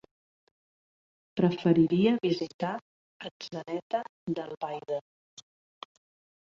Preferiria visitar Atzeneta d'Albaida.